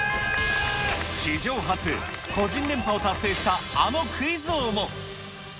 史上初、個人連覇を達成したあのクイズ王も。